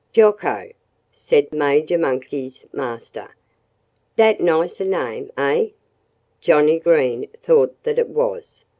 "Jocko!" said Major Monkey's master. "Dat nice a name, eh?" Johnnie Green thought that it was.